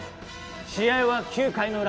試合は９回のウラ。